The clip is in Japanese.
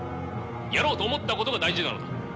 やろうと思ったことが大事なのだ。